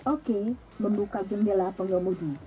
oke membuka jendela pengemudi